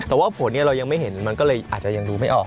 แต่ว่าผลเรายังไม่เห็นมันก็เลยอาจจะยังดูไม่ออก